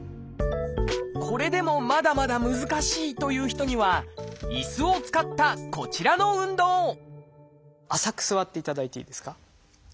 これでもまだまだ難しいという人には椅子を使ったこちらの運動浅く座っていただいていいですか。